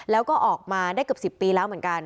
แล้วก็ออกมาได้เกือบ๑๐ปีแล้วเหมือนกัน